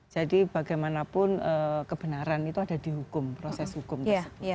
jadi bagaimanapun kebenaran itu ada di hukum proses hukum tersebut